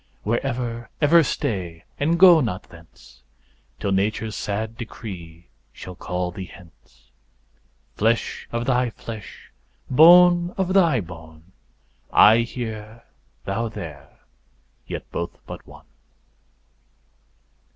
Where ever, ever stay, and go not thence, Till nature's sad decree shall call thee hence; Flesh of thy flesh, bone of thy bone, I here, thou there, yet both but one.